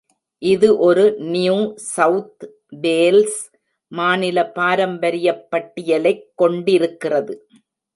இது ஒரு ‘New South Wales மாநில பாரம்பரியப் பட்டியலைக்‘ கொண்டிருக்கிறது.